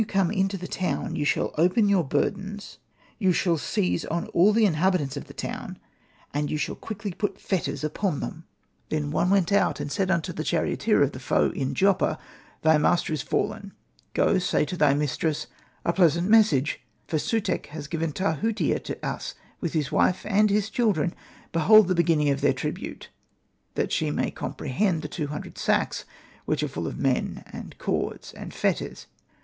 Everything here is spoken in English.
r^ r^ r^^^:^^^^^,: x.ri'xn. eii.i ^dp rillL TWO HUNDRED SACKS into the town you shall open your burdens, you shall reize on all the inhabitants of the town, and you shall quickly put fetters upon them/' Hosted by Google 6 THE TAKING OF JOPPA Then one went out and said unto the charioteer of the Foe in Joppa, *' Thy master is fallen ; go, say to thy mistress, ' A pleasant message ! For Sutekh has given Tahutia to us, with his wife and his children ; behold the beginning of their tribute,' that she may comprehend the two hundred sacks^ which are full of men and cords and fetters.''